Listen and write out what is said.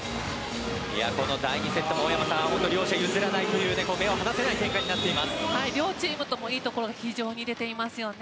この第２セットも大山さん両者譲らない、目を離せない両チーム、いいところ非常に出ていますよね。